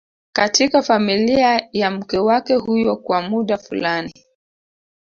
katika familia ya mke wake huyo kwa muda fulani